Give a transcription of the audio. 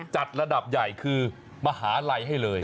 จัดระดับใหญ่คือมหาลัยให้เลย